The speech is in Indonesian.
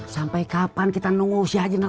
sampai kapan kita nunggu si hajin telepon